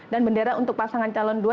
dan bendera untuk pasangan calon dua